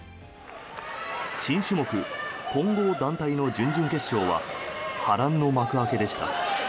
新種目混合団体の準々決勝は波乱の幕開けでした。